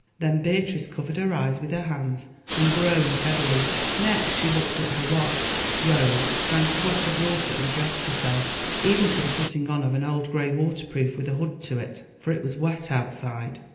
Then Beatrice covered her eyes with her hands and groaned heavily. Next she looked at her watch, rose, drank a glass of water, and dressed herself, even to the putting on of an old grey waterproof with a hood to it, for it was wet outside.